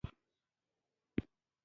تکامل د ژویو د بدلون پروسه ده